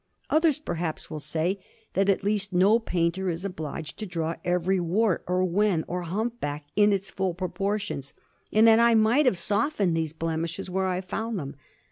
Others, perhaps, will say that at least no painter is obliged to draw every wart or wen or hump back in its full proportions, and that I might have softened these blemishes where I found them.